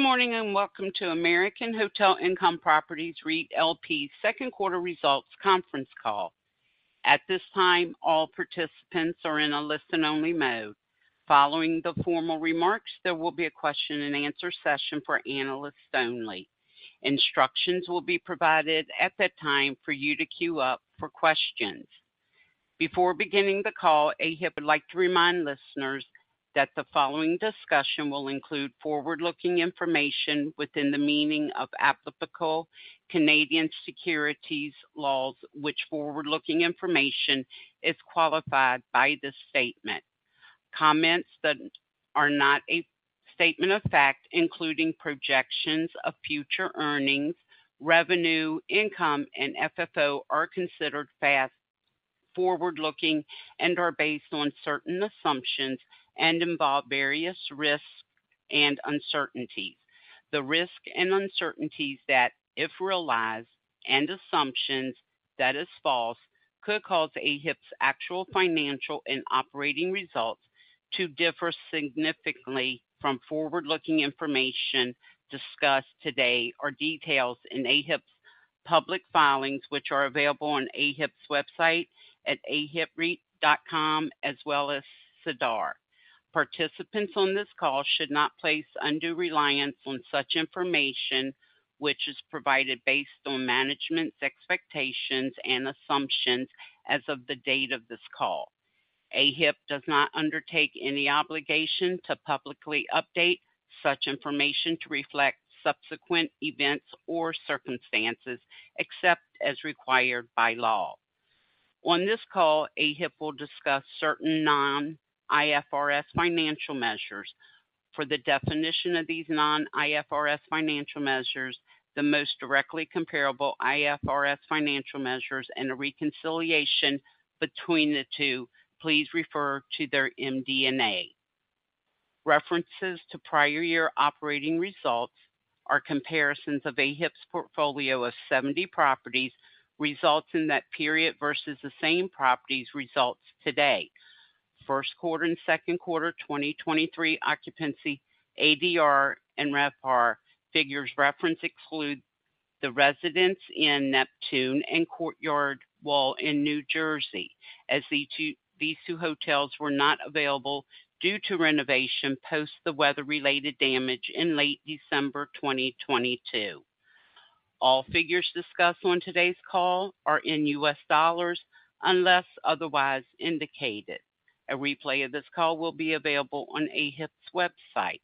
Good morning, welcome to American Hotel Income Properties REIT LP 2nd quarter results conference call. At this time, all participants are in a listen-only mode. Following the formal remarks, there will be a question and answer session for analysts only. Instructions will be provided at that time for you to queue up for questions. Before beginning the call, AHIP would like to remind listeners that the following discussion will include forward-looking information within the meaning of applicable Canadian securities laws, which forward-looking information is qualified by this statement. Comments that are not a statement of fact, including projections of future earnings, revenue, income, and FFO, are considered forward-looking and are based on certain assumptions and involve various risks and uncertainties. The risks and uncertainties that, if realized, and assumptions that is false, could cause AHIP's actual financial and operating results to differ significantly from forward-looking information discussed today are detailed in AHIP's public filings, which are available on AHIP's website at ahipreit.com, as well as SEDAR. Participants on this call should not place undue reliance on such information, which is provided based on management's expectations and assumptions as of the date of this call. AHIP does not undertake any obligation to publicly update such information to reflect subsequent events or circumstances, except as required by law. On this call, AHIP will discuss certain non-IFRS financial measures. For the definition of these non-IFRS financial measures, the most directly comparable IFRS financial measures, and a reconciliation between the two, please refer to their MD&A. References to prior year operating results are comparisons of AHIP's portfolio of 70 properties, results in that period, versus the same properties results today. First quarter and second quarter 2023 occupancy, ADR and RevPAR figures reference exclude the Residence Inn Neptune and Courtyard Wall in New Jersey, as these two, these 2 hotels were not available due to renovation post the weather-related damage in late December 2022. All figures discussed on today's call are in U.S. dollars, unless otherwise indicated. A replay of this call will be available on AHIP's website.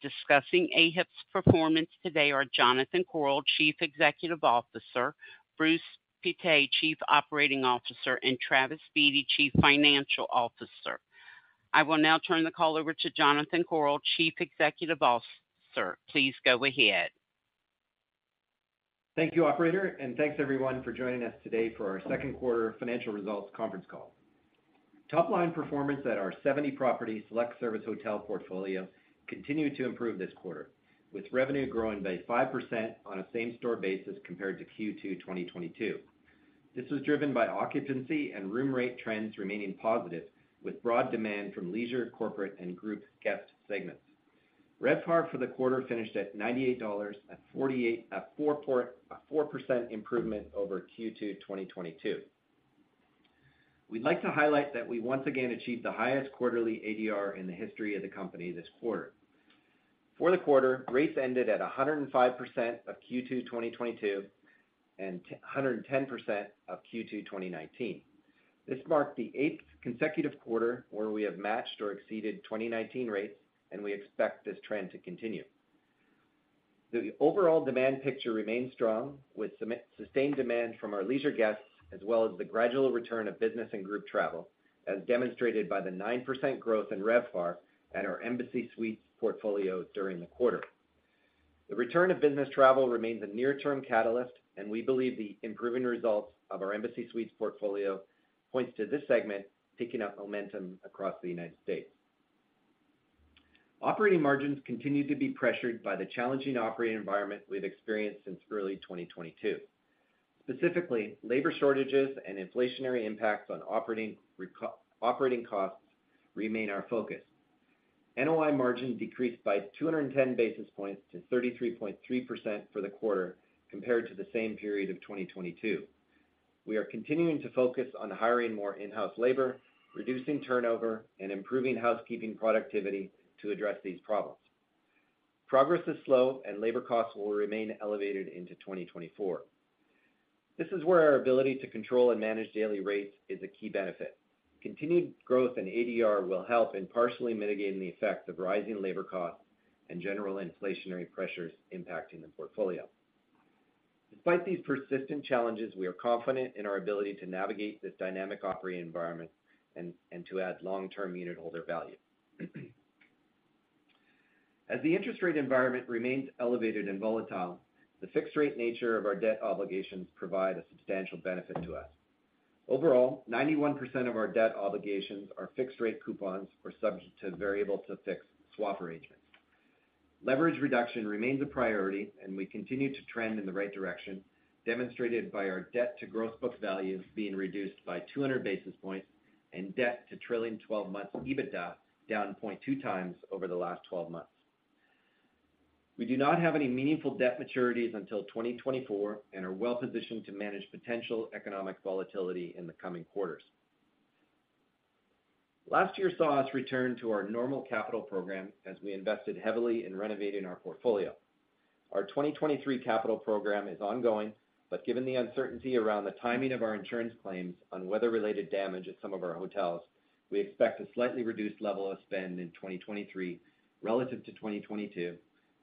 Discussing AHIP's performance today are Jonathan Korol, Chief Executive Officer, Bruce Pittet, Chief Operating Officer, and Travis Beatty, Chief Financial Officer. I will now turn the call over to Jonathan Korol, Chief Executive Officer. Please go ahead. Thank you, operator, thanks everyone for joining us today for our second quarter financial results conference call. Top line performance at our 70 property select service hotel portfolio continued to improve this quarter, with revenue growing by 5% on a same-store basis compared to Q2, 2022. This was driven by occupancy and room rate trends remaining positive, with broad demand from leisure, corporate and group guest segments. RevPAR for the quarter finished at $98, a 4% improvement over Q2, 2022. We'd like to highlight that we once again achieved the highest quarterly ADR in the history of the company this quarter. For the quarter, rates ended at 105% of Q2, 2022, 110% of Q2, 2019. This marked the 8th consecutive quarter where we have matched or exceeded 2019 rates, and we expect this trend to continue. The overall demand picture remains strong, with sustained demand from our leisure guests, as well as the gradual return of business and group travel, as demonstrated by the 9% growth in RevPAR at our Embassy Suites portfolio during the quarter. The return of business travel remains a near-term catalyst, and we believe the improving results of our Embassy Suites portfolio points to this segment picking up momentum across the United States. Operating margins continue to be pressured by the challenging operating environment we've experienced since early 2022. Specifically, labor shortages and inflationary impacts on operating costs remain our focus. NOI margins decreased by 210 basis points to 33.3% for the quarter, compared to the same period of 2022. We are continuing to focus on hiring more in-house labor, reducing turnover, and improving housekeeping productivity to address these problems. Progress is slow and labor costs will remain elevated into 2024. This is where our ability to control and manage daily rates is a key benefit. Continued growth in ADR will help in partially mitigating the effects of rising labor costs and general inflationary pressures impacting the portfolio. Despite these persistent challenges, we are confident in our ability to navigate this dynamic operating environment and to add long-term unitholder value. As the interest rate environment remains elevated and volatile, the fixed rate nature of our debt obligations provide a substantial benefit to us. Overall, 91% of our debt obligations are fixed rate coupons or subject to variable to fixed swap arrangements. Leverage reduction remains a priority, and we continue to trend in the right direction, demonstrated by our debt to gross book values being reduced by 200 basis points, and debt to trailing twelve months EBITDA down 0.2 times over the last 12 months. We do not have any meaningful debt maturities until 2024 and are well positioned to manage potential economic volatility in the coming quarters. Last year saw us return to our normal capital program as we invested heavily in renovating our portfolio. Our 2023 capital program is ongoing, given the uncertainty around the timing of our insurance claims on weather-related damage at some of our hotels, we expect a slightly reduced level of spend in 2023 relative to 2022,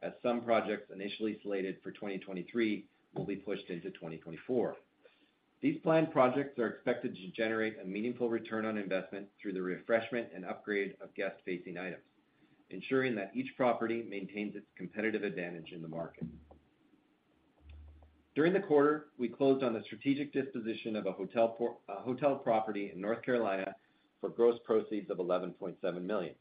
as some projects initially slated for 2023 will be pushed into 2024. These planned projects are expected to generate a meaningful return on investment through the refreshment and upgrade of guest-facing items, ensuring that each property maintains its competitive advantage in the market. During the quarter, we closed on the strategic disposition of a hotel property in North Carolina for gross proceeds of $11.7 million.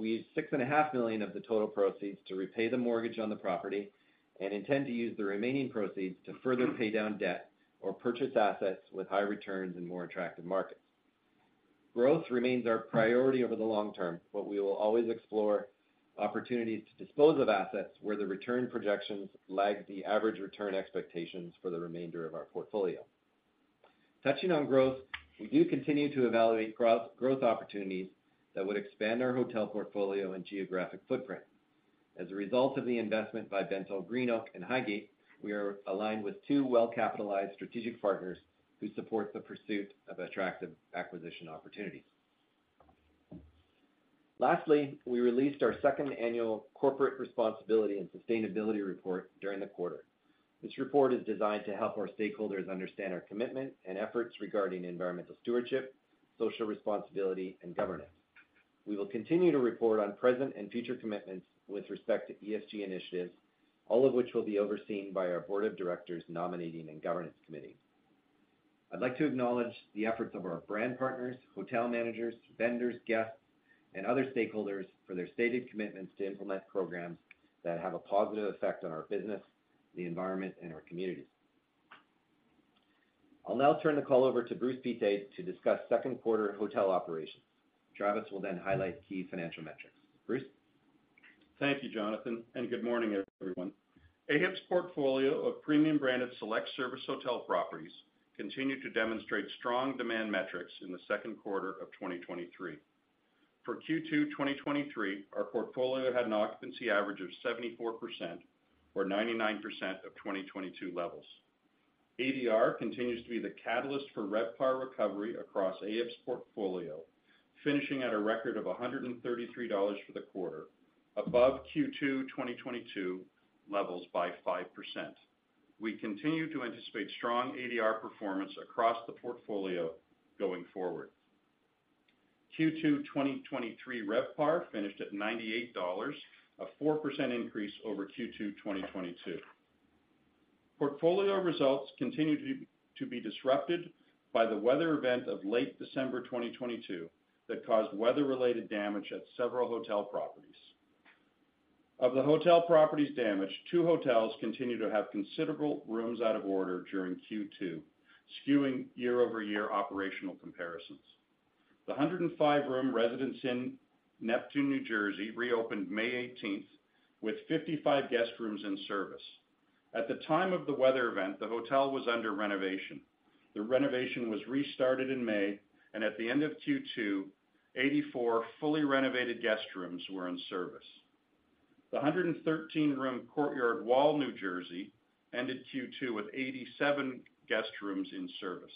We used $6.5 million of the total proceeds to repay the mortgage on the property and intend to use the remaining proceeds to further pay down debt or purchase assets with high returns in more attractive markets. Growth remains our priority over the long term. We will always explore opportunities to dispose of assets where the return projections lag the average return expectations for the remainder of our portfolio. Touching on growth, we do continue to evaluate growth opportunities that would expand our hotel portfolio and geographic footprint. As a result of the investment by BentallGreenOak and Highgate, we are aligned with two well-capitalized strategic partners who support the pursuit of attractive acquisition opportunities. Lastly, we released our second annual corporate responsibility and sustainability report during the quarter. This report is designed to help our stakeholders understand our commitment and efforts regarding environmental stewardship, social responsibility, and governance. We will continue to report on present and future commitments with respect to ESG initiatives, all of which will be overseen by our Board of Directors, Nominating and Governance Committee. I'd like to acknowledge the efforts of our brand partners, hotel managers, vendors, guests, and other stakeholders for their stated commitments to implement programs that have a positive effect on our business, the environment, and our communities. I'll now turn the call over to Bruce Pittet to discuss second quarter hotel operations. Travis will highlight key financial metrics. Bruce? Thank you, Jonathan, and good morning, everyone. AHIP's portfolio of premium branded select service hotel properties continued to demonstrate strong demand metrics in the second quarter of 2023. For Q2 2023, our portfolio had an occupancy average of 74% or 99% of 2022 levels. ADR continues to be the catalyst for RevPAR recovery across AHIP's portfolio, finishing at a record of $133 for the quarter, above Q2 2022 levels by 5%. We continue to anticipate strong ADR performance across the portfolio going forward. Q2 2023 RevPAR finished at $98, a 4% increase over Q2 2022. Portfolio results continued to be, to be disrupted by the weather event of late December 2022, that caused weather-related damage at several hotel properties. Of the hotel properties damaged, 2 hotels continued to have considerable rooms out of order during Q2, skewing year-over-year operational comparisons. The 105-room Residence Inn Neptune, New Jersey, reopened May 18th, with 55 guest rooms in service. At the time of the weather event, the hotel was under renovation. The renovation was restarted in May, and at the end of Q2, 84 fully renovated guest rooms were in service. The 113-room Courtyard, Wall, New Jersey, ended Q2 with 87 guest rooms in service.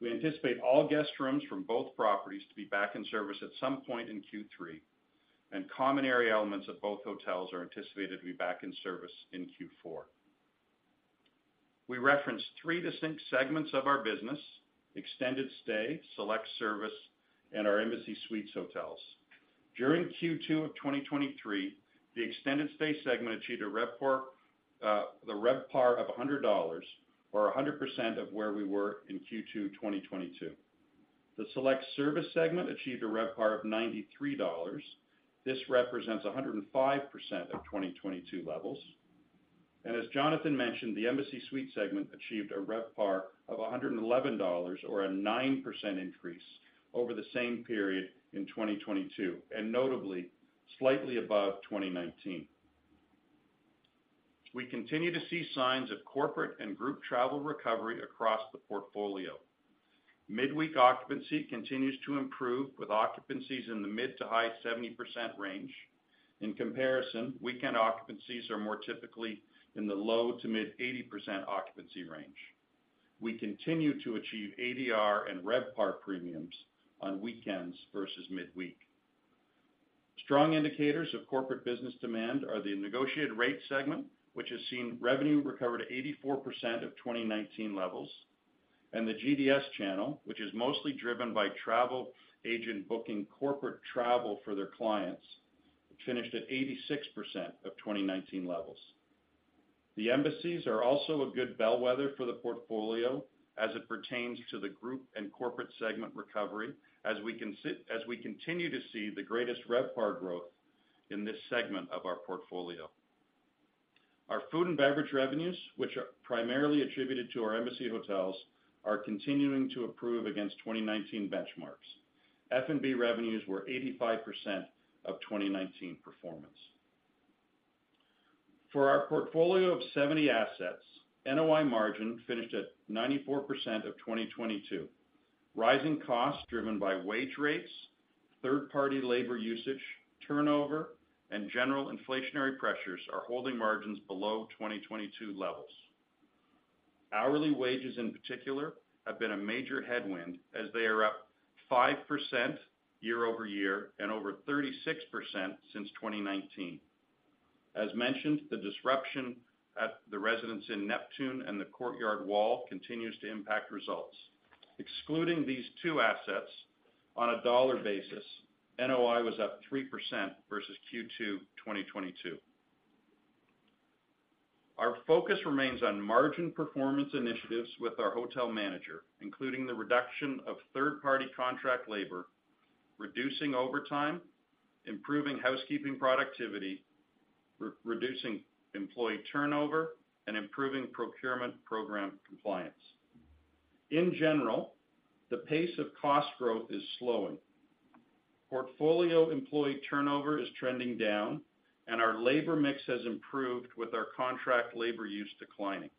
We anticipate all guest rooms from both properties to be back in service at some point in Q3, and common area elements of both hotels are anticipated to be back in service in Q4. We referenced three distinct segments of our business: extended stay, select service, and our Embassy Suites hotels. During Q2 of 2023, the extended stay segment achieved a RevPAR, the RevPAR of $100, or 100% of where we were in Q2 2022. The select service segment achieved a RevPAR of $93. This represents 105% of 2022 levels. As Jonathan mentioned, the Embassy Suites segment achieved a RevPAR of $111, or a 9% increase over the same period in 2022, and notably, slightly above 2019. We continue to see signs of corporate and group travel recovery across the portfolio. Midweek occupancy continues to improve, with occupancies in the mid to high 70% range. In comparison, weekend occupancies are more typically in the low to mid 80% occupancy range. We continue to achieve ADR and RevPAR premiums on weekends versus midweek. Strong indicators of corporate business demand are the negotiated rate segment, which has seen revenue recover to 84% of 2019 levels, and the GDS channel, which is mostly driven by travel agent booking corporate travel for their clients, finished at 86% of 2019 levels. The Embassy Suites are also a good bellwether for the portfolio as it pertains to the group and corporate segment recovery, as we continue to see the greatest RevPAR growth in this segment of our portfolio. Our food and beverage revenues, which are primarily attributed to our Embassy Suites, are continuing to approve against 2019 benchmarks. F&B revenues were 85% of 2019 performance. For our portfolio of 70 assets, NOI margin finished at 94% of 2022. Rising costs, driven by wage rates, third-party labor usage, turnover, and general inflationary pressures, are holding margins below 2022 levels. Hourly wages, in particular, have been a major headwind, as they are up 5% year-over-year and over 36% since 2019. As mentioned, the disruption at the Residence Inn Neptune and the Courtyard Wall continues to impact results. Excluding these two assets, on a dollar basis, NOI was up 3% versus Q2 2022. Our focus remains on margin performance initiatives with our hotel manager, including the reduction of third-party contract labor, reducing overtime, improving housekeeping productivity, re-reducing employee turnover, and improving procurement program compliance. In general, the pace of cost growth is slowing. Portfolio employee turnover is trending down, and our labor mix has improved with our contract labor use declining.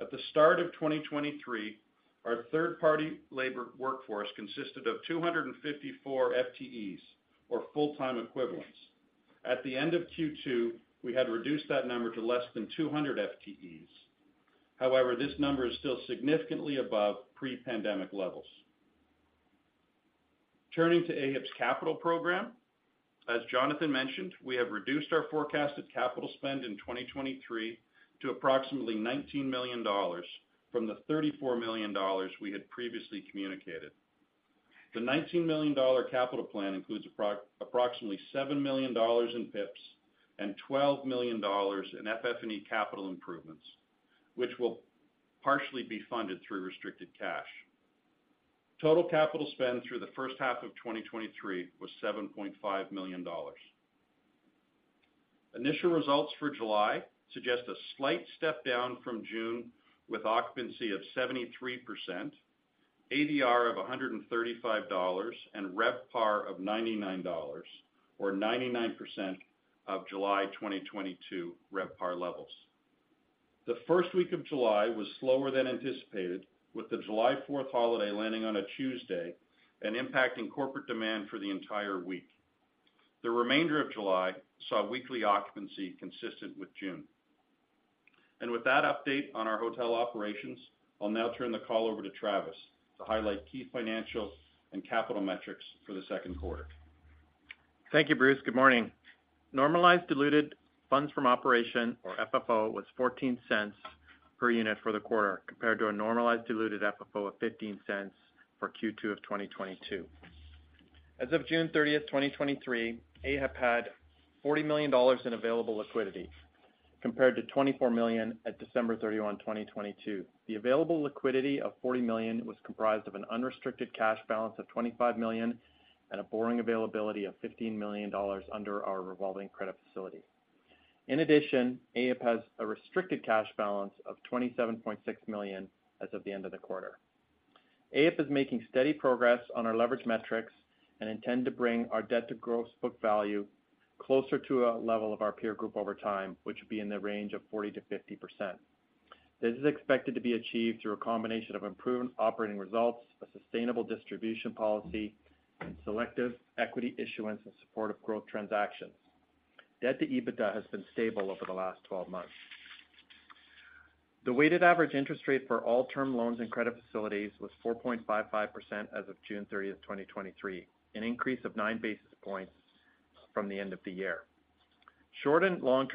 At the start of 2023, our third-party labor workforce consisted of 254 FTEs, or full-time equivalents. At the end of Q2, we had reduced that number to less than 200 FTEs. However, this number is still significantly above pre-pandemic levels. Turning to AHIP's capital program, as Jonathan mentioned, we have reduced our forecasted capital spend in 2023 to approximately $19 million from the $34 million we had previously communicated. The $19 million capital plan includes approximately $7 million in PIPs and $12 million in FF&E capital improvements, which will partially be funded through restricted cash. Total capital spend through the first half of 2023 was $7.5 million. Initial results for July suggest a slight step down from June, with occupancy of 73%, ADR of $135, and RevPAR of $99, or 99% of July 2022 RevPAR levels. The first week of July was slower than anticipated, with the July 4th holiday landing on a Tuesday and impacting corporate demand for the entire week. The remainder of July saw weekly occupancy consistent with June. With that update on our hotel operations, I'll now turn the call over to Travis to highlight key financial and capital metrics for the second quarter. Thank you, Bruce. Good morning. Normalized diluted funds from operation, or FFO, was $0.14 per unit for the quarter, compared to a normalized diluted FFO of $0.15 for Q2 of 2022. As of June 30, 2023, AHIP had $40 million in available liquidity, compared to $24 million at December 31, 2022. The available liquidity of $40 million was comprised of an unrestricted cash balance of $25 million and a borrowing availability of $15 million under our revolving credit facility. In addition, AHIP has a restricted cash balance of $27.6 million as of the end of the quarter. AHIP is making steady progress on our leverage metrics and intend to bring our debt to gross book value closer to a level of our peer group over time, which would be in the range of 40%-50%. This is expected to be achieved through a combination of improved operating results, a sustainable distribution policy, and selective equity issuance in support of growth transactions. Debt to EBITDA has been stable over the last 12 months. The weighted average interest rate for all term loans and credit facilities was 4.55% as of June 30, 2023, an increase of 9 basis points from the end of the year. AHIP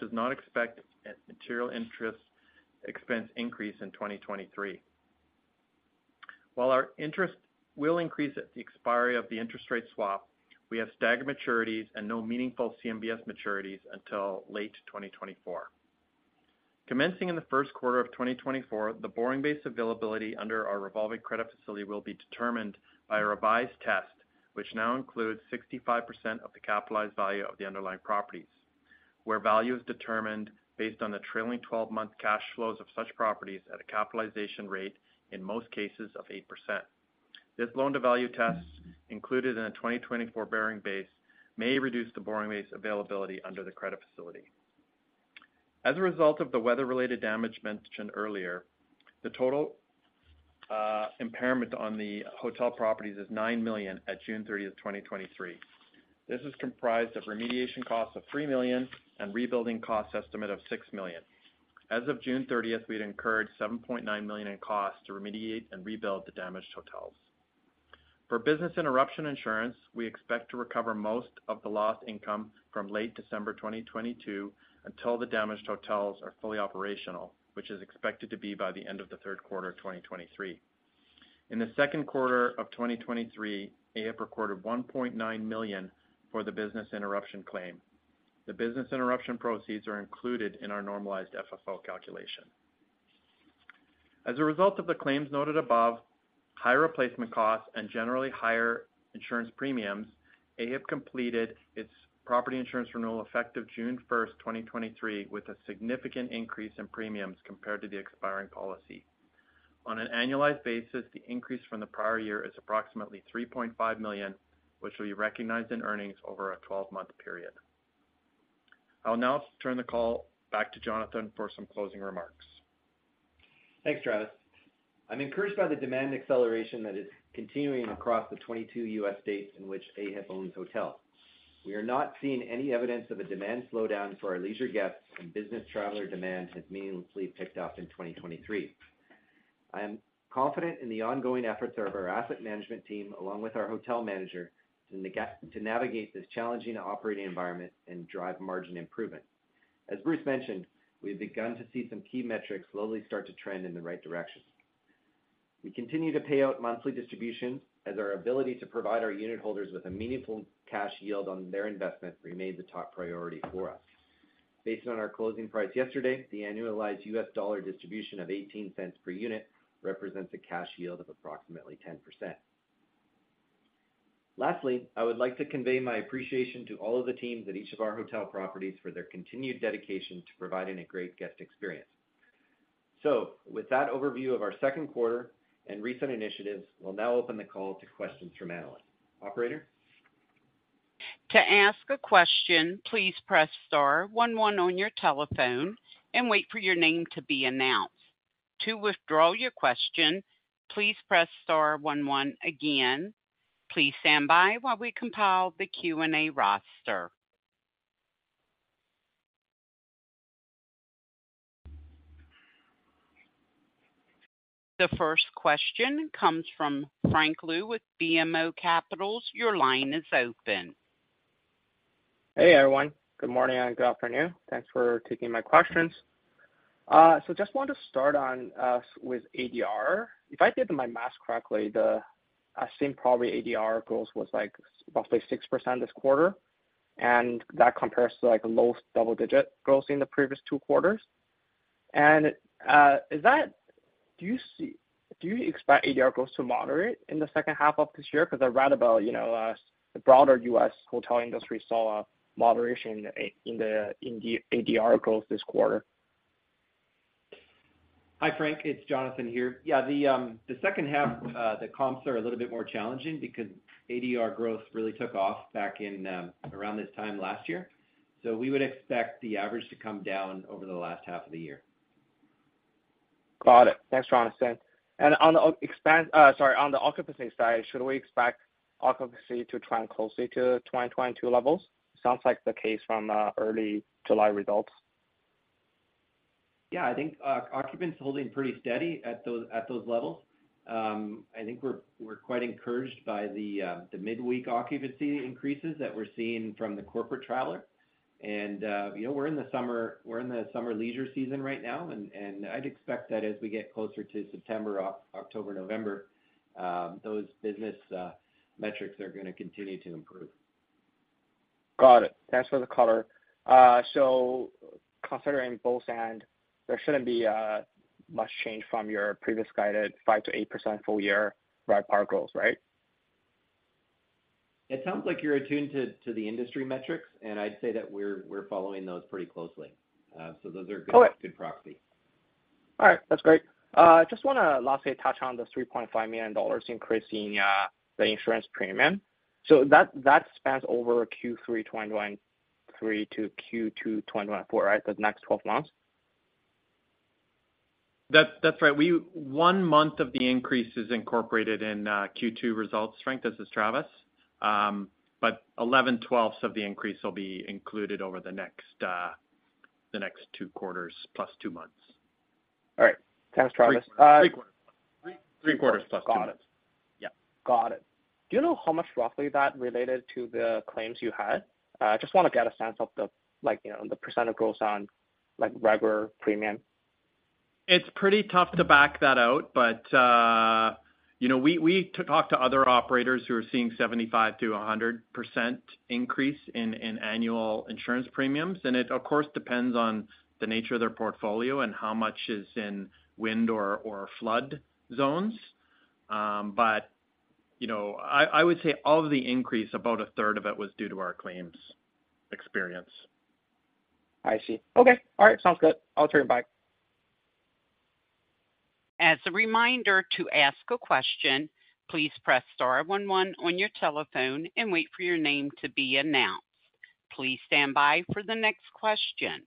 does not expect a material interest expense increase in 2023. While our interest will increase at the expiry of the interest rate swap, we have staggered maturities and no meaningful CMBS maturities until late 2024. Commencing in the first quarter of 2024, the borrowing base availability under our revolving credit facility will be determined by a revised test, which now includes 65% of the capitalized value of the underlying properties, where value is determined based on the trailing twelve-month cash flows of such properties at a capitalization rate, in most cases, of 8%. This loan-to-value test, included in the 2024 bearing base, may reduce the borrowing base availability under the credit facility. As a result of the weather-related damage mentioned earlier, the total impairment on the hotel properties is $9 million at June 30, 2023. This is comprised of remediation costs of $3 million and rebuilding cost estimate of $6 million. As of June 30, we'd incurred $7.9 million in costs to remediate and rebuild the damaged hotels. For business interruption insurance, we expect to recover most of the lost income from late December 2022, until the damaged hotels are fully operational, which is expected to be by the end of the third quarter of 2023. In the second quarter of 2023, AHIP recorded $1.9 million for the business interruption claim. The business interruption proceeds are included in our normalized FFO calculation. As a result of the claims noted above, high replacement costs, and generally higher insurance premiums, AHIP completed its property insurance renewal effective June 1, 2023, with a significant increase in premiums compared to the expiring policy. On an annualized basis, the increase from the prior year is approximately $3.5 million, which will be recognized in earnings over a 12-month period. I'll now turn the call back to Jonathan for some closing remarks. Thanks, Travis. I'm encouraged by the demand acceleration that is continuing across the 22 U.S. states in which AHIP owns hotels. We are not seeing any evidence of a demand slowdown for our leisure guests. Business traveler demand has meaningfully picked up in 2023. I am confident in the ongoing efforts of our asset management team, along with our hotel manager, to navigate this challenging operating environment and drive margin improvement. As Bruce mentioned, we've begun to see some key metrics slowly start to trend in the right direction. We continue to pay out monthly distributions as our ability to provide our unit holders with a meaningful cash yield on their investment remained the top priority for us. Based on our closing price yesterday, the annualized U.S. dollar distribution of $0.18 per unit represents a cash yield of approximately 10%. Lastly, I would like to convey my appreciation to all of the teams at each of our hotel properties for their continued dedication to providing a great guest experience. With that overview of our second quarter and recent initiatives, we'll now open the call to questions from analysts. Operator? To ask a question, please press star 11 on your telephone and wait for your name to be announced. To withdraw your question, please press star 11 again. Please stand by while we compile the Q&A roster. The first question comes from Frank Liu with BMO Capital Markets. Your line is open. Hey, everyone. Good morning and good afternoon. Thanks for taking my questions. Just want to start on with ADR. If I did my math correctly, the same probably ADR goals was like roughly 6% this quarter, and that compares to, like, low double-digit growth in the previous two quarters. Do you expect ADR growth to moderate in the second half of this year? Because I read about, you know, the broader U.S. hotel industry saw a moderation in the ADR goals this quarter. Hi, Frank, it's Jonathan here. Yeah, the second half, the comps are a little bit more challenging because ADR growth really took off back in around this time last year. We would expect the average to come down over the last half of the year. Got it. Thanks, Jonathan. On the expand-- sorry, on the occupancy side, should we expect occupancy to trend closely to 2022 levels? Sounds like the case from, early July results. Yeah, I think occupancy is holding pretty steady at those, at those levels. I think we're quite encouraged by the midweek occupancy increases that we're seeing from the corporate traveler. You know, we're in the summer, we're in the summer leisure season right now, and I'd expect that as we get closer to September, October, November, those business metrics are gonna continue to improve. Got it. Thanks for the color. Considering both end, there shouldn't be much change from your previous guided 5%-8% full year RevPAR goals, right? It sounds like you're attuned to, to the industry metrics, and I'd say that we're, we're following those pretty closely. Those are good- Got it. Good proxy. All right, that's great. Just wanna lastly touch on the $3.5 million increase in the insurance premium. That, that spans over Q3, 2023 to Q2, 2024, right? The next 12 months. That, that's right. 1 month of the increase is incorporated in, Q2 results, Frank. This is Travis. 11/12ths of the increase will be included over the next, the next 2 quarters, plus 2 months. All right. Thanks, Travis. 3 quarters, 3, 3 quarters plus 2 months. Got it. Yeah. Got it. Do you know how much roughly that related to the claims you had? Just wanna get a sense of the, like, you know, the percent of growth on, like, regular premium. It's pretty tough to back that out, but, you know, we, we talk to other operators who are seeing 75% to 100% increase in, in annual insurance premiums, and it, of course, depends on the nature of their portfolio and how much is in wind or, or flood zones. But, you know, I, I would say of the increase, about a third of it was due to our claims experience. I see. Okay, all right, sounds good. I'll turn it back. As a reminder, to ask a question, please press star 11 on your telephone and wait for your name to be announced. Please stand by for the next question.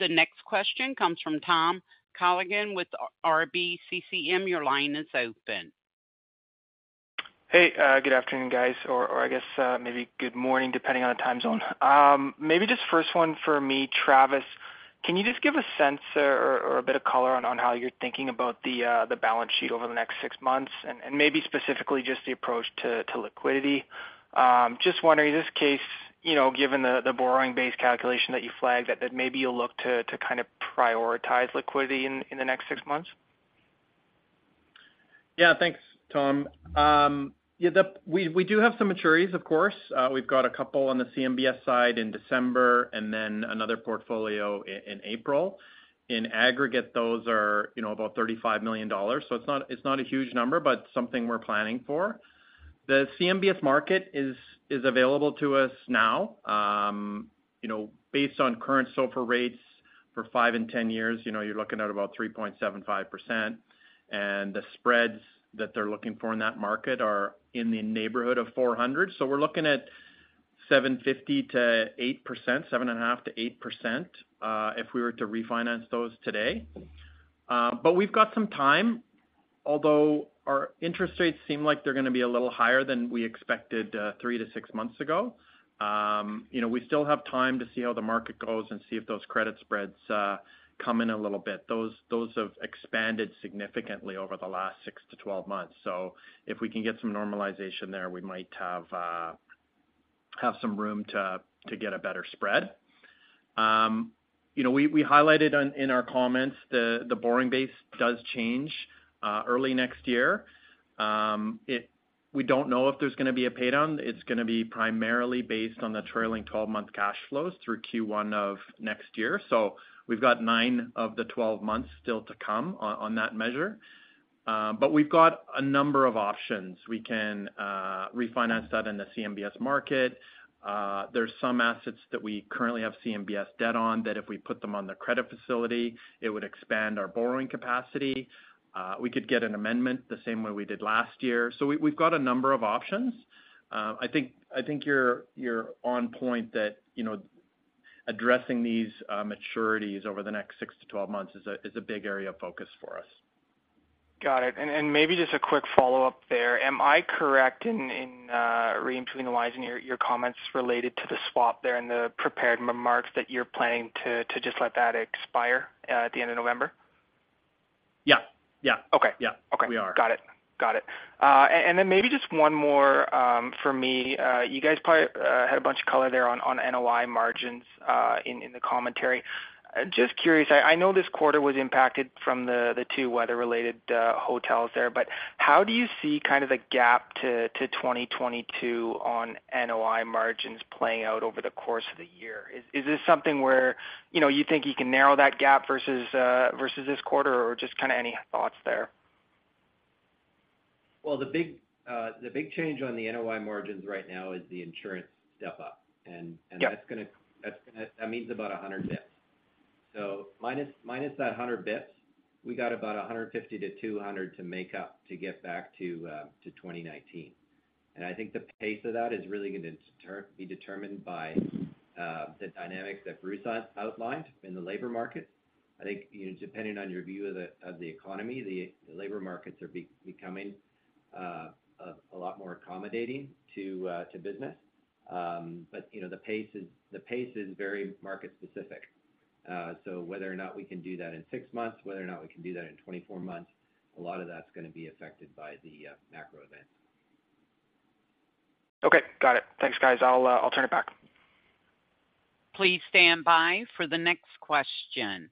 The next question comes from Tom Callaghan with RBCCM. Your line is open. Hey, good afternoon, guys, or, or I guess, maybe good morning, depending on the time zone. Maybe just first one for me, Travis, can you just give a sense or, or a bit of color on, on how you're thinking about the balance sheet over the next 6 months, and, and maybe specifically just the approach to, to liquidity? Just wondering, in this case, you know, given the borrowing base calculation that you flagged, that, that maybe you'll look to, to kind of prioritize liquidity in, in the next 6 months? Yeah, thanks, Tom. Yeah, the, we, we do have some maturities, of course. We've got a couple on the CMBS side in December and then another portfolio in April. In aggregate, those are, you know, about $35 million. It's not, it's not a huge number, but something we're planning for. The CMBS market is, is available to us now. You know, based on current SOFR rates for 5 and 10 years, you know, you're looking at about 3.75%, and the spreads that they're looking for in that market are in the neighborhood of 400. We're looking at 7.50%-8%, 7.5%-8%, if we were to refinance those today. We've got some time, although our interest rates seem like they're going to be a little higher than we expected, 3-6 months ago. You know, we still have time to see how the market goes and see if those credit spreads come in a little bit. Those have expanded significantly over the last 6-12 months. If we can get some normalization there, we might have some room to get a better spread. You know, we highlighted in our comments, the borrowing base does change early next year. We don't know if there's going to be a pay-down. It's going to be primarily based on the trailing twelve-month cash flows through Q1 of next year. We've got 9 of the 12 months still to come on that measure. We've got a number of options. We can refinance that in the CMBS market. There's some assets that we currently have CMBS debt on, that if we put them on the credit facility, it would expand our borrowing capacity. We could get an amendment the same way we did last year. We, we've got a number of options. I think, I think you're, you're on point that, you know, addressing these maturities over the next six to twelve months is a big area of focus for us. Got it. And maybe just a quick follow-up there. Am I correct in, in, reading between the lines in your, your comments related to the swap there in the prepared remarks that you're planning to, to just let that expire, at the end of November? Yeah. Yeah. Okay. Yeah. Okay. We are. Got it. Got it. Then maybe just one more for me. You guys probably had a bunch of color there on NOI margins in the commentary. Just curious, I know this quarter was impacted from the two weather-related hotels there, but how do you see kind of the gap to 2022 on NOI margins playing out over the course of the year? Is this something where, you know, you think you can narrow that gap versus versus this quarter, or just kind of any thoughts there? The big change on the NOI margins right now is the insurance step up. Yeah. That means about 100 basis points. Minus that 100 basis points, we got about 150-200 to make up to get back to 2019. I think the pace of that is really gonna be determined by the dynamics that Bruce outlined in the labor market. I think, you know, depending on your view of the economy, the labor markets are becoming a lot more accommodating to business. You know, the pace is very market specific. Whether or not we can do that in 6 months, whether or not we can do that in 24 months, a lot of that's gonna be affected by the macro events. Okay, got it. Thanks, guys. I'll, I'll turn it back. Please stand by for the next question.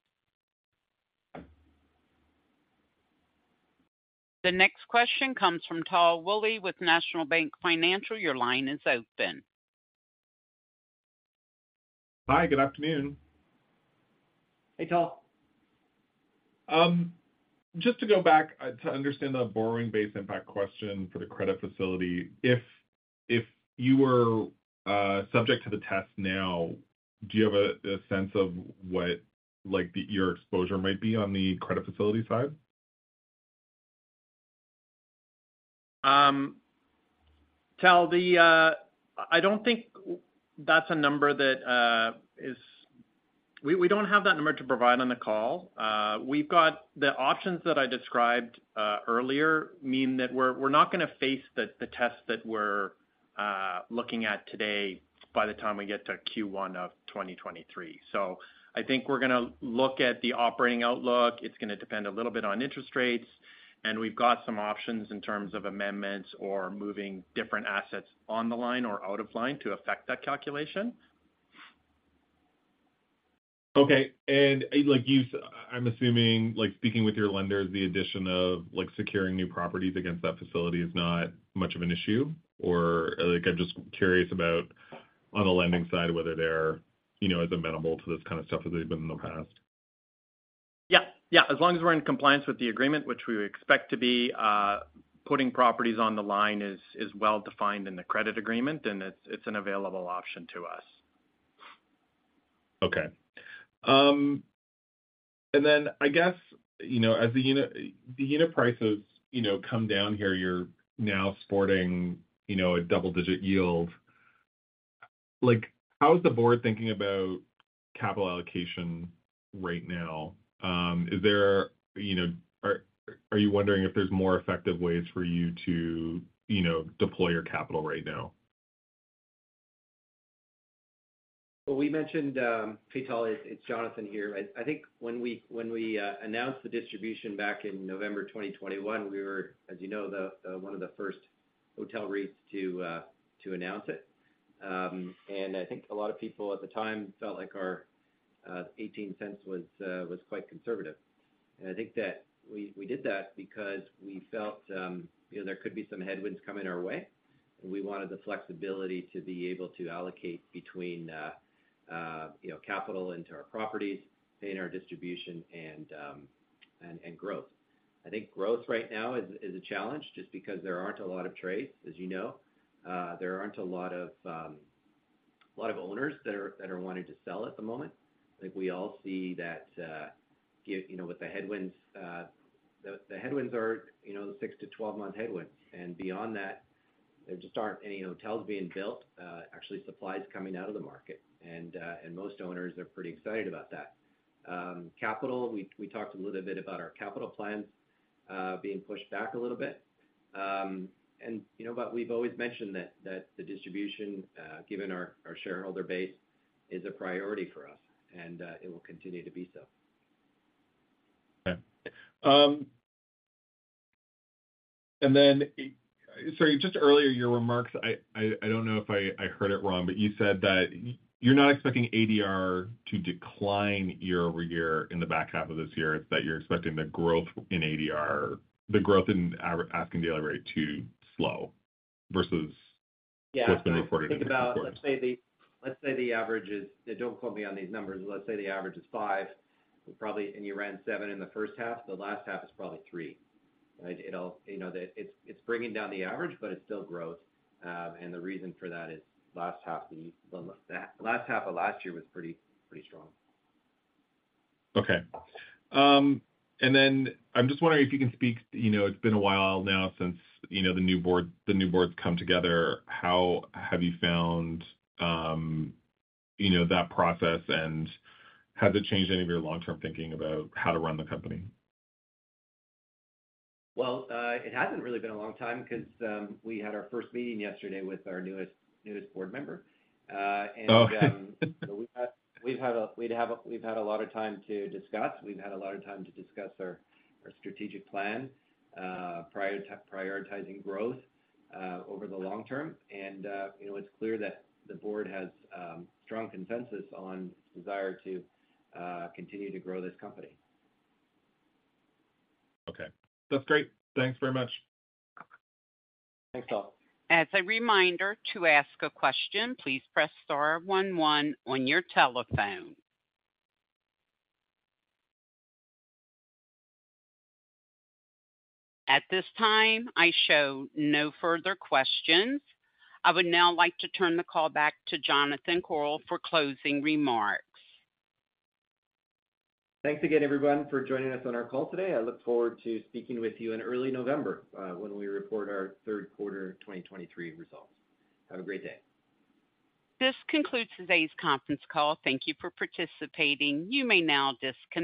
The next question comes from Tal Woolley with National Bank Financial. Your line is open. Hi, good afternoon. Hey, Tal. Just to go back to understand the borrowing base impact question for the credit facility. If, if you were subject to the test now, do you have a, a sense of what, like, your exposure might be on the credit facility side? Tal, the... I don't think that's a number that we don't have that number to provide on the call. We've got the options that I described earlier, mean that we're not gonna face the test that we're looking at today by the time we get to Q1 of 2023. So I think we're gonna look at the operating outlook. It's gonna depend a little bit on interest rates, and we've got some options in terms of amendments or moving different assets on the line or out of line to affect that calculation. Okay. Like you've-- I'm assuming, like, speaking with your lenders, the addition of, like, securing new properties against that facility is not much of an issue? Like, I'm just curious about, on the lending side, whether they're, you know, as amenable to this kind of stuff as they've been in the past? Yeah. Yeah, as long as we're in compliance with the agreement, which we expect to be, putting properties on the line is, is well defined in the credit agreement, and it's, it's an available option to us. Okay. Then I guess, you know, as the unit, the unit prices, you know, come down here, you're now sporting, you know, a double-digit yield. Like, how is the Board thinking about capital allocation right now? Is there, you know, are you wondering if there's more effective ways for you to, you know, deploy your capital right now? Well, we mentioned, Hey, Tal, it's, it's Jonathan here. I, I think when we, when we announced the distribution back in November 2021, we were, as you know, the one of the first hotel REITs to announce it. And I think a lot of people at the time felt like our $0.18 was quite conservative. And I think that we, we did that because we felt, you know, there could be some headwinds coming our way, and we wanted the flexibility to be able to allocate between, you know, capital into our properties, paying our distribution, and, and growth. I think growth right now is, is a challenge, just because there aren't a lot of trades, as you know. There aren't a lot of, a lot of owners that are, that are wanting to sell at the moment. I think we all see that, you know, with the headwinds, the headwinds are, you know, the 6-12 month headwinds, and beyond that, there just aren't any hotels being built. Actually, supply is coming out of the market, and most owners are pretty excited about that. Capital, we, we talked a little bit about our capital plans, being pushed back a little bit. You know, but we've always mentioned that, that the distribution, given our, our shareholder base, is a priority for us, and it will continue to be so. Okay. Sorry, just earlier, your remarks, I, I, I don't know if I, I heard it wrong, but you said that you're not expecting ADR to decline year-over-year in the back half of this year, it's that you're expecting the growth in ADR, the growth in asking delivery to slow versus... Yeah. What's been reported in the past, yes. Think about, let's say the, let's say the average is. Don't quote me on these numbers. Let's say the average is 5, probably, and you ran 7 in the first half, the last half is probably 3, right? It'll, you know, that it's, it's bringing down the average, but it's still growth. The reason for that is last half, the, the last half of last year was pretty, pretty strong. Okay. Then I'm just wondering if you can speak, you know, it's been a while now since, you know, the new Board, the new Board's come together. How have you found, you know, that process, and has it changed any of your long-term thinking about how to run the company? Well, it hasn't really been a long time because, we had our first meeting yesterday with our newest, newest board member. Okay. We've had a lot of time to discuss. We've had a lot of time to discuss our strategic plan, prioritizing growth, over the long term. You know, it's clear that the Board has strong consensus on desire to continue to grow this company. Okay. That's great. Thanks very much. Thanks, Tom. As a reminder, to ask a question, please press star one, one on your telephone. At this time, I show no further questions. I would now like to turn the call back to Jonathan Korol for closing remarks. Thanks again, everyone, for joining us on our call today. I look forward to speaking with you in early November, when we report our third quarter 2023 results. Have a great day. This concludes today's conference call. Thank you for participating. You may now disconnect.